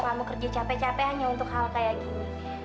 kamu kerja capek capek hanya untuk hal kayak gini